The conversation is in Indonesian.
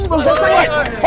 bawang salis aja